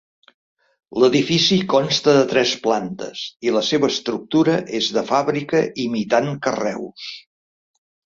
L'edifici consta de tres plantes i la seva estructura és de fàbrica imitant carreus.